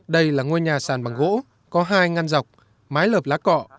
đây là ngôi nhà sàn bằng gỗ có hai ngăn dọc mái lợp lá cọ